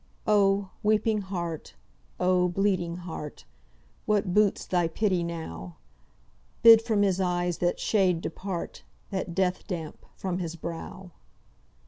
"Oh! weeping heart! Oh, bleeding heart! What boots thy pity now? Bid from his eyes that shade depart, That death damp from his brow!"